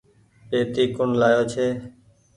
پيتي ڪوڻ لآيو ڇي ۔